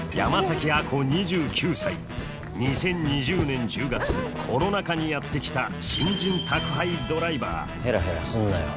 ２０２０年１０月コロナ禍にやって来た新人宅配ドライバーヘラヘラすんなよ。